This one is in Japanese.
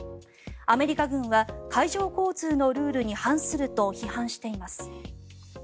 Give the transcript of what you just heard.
アメリカ軍は海上交通のルールに反すると批判しています。